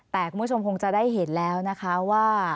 แต่คุณผู้ชมคงจะได้เห็นแล้วนะคะว่า